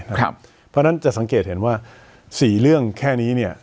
นะครับเพราะฉะนั้นจะสังเกตเห็นว่าสี่เรื่องแค่นี้เนี่ย